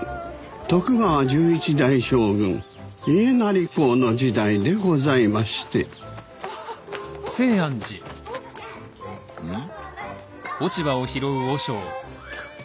徳川１１代将軍家斉公の時代でございましてん？